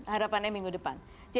harapannya minggu depan